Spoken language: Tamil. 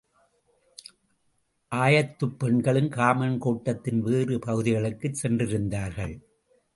ஆயத்துப் பெண்களும் காமன் கோட்டத்தின் வேறு பகுதிகளுக்குச் சென்றிருந்தார்கள்.